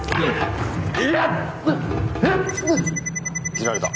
斬られた。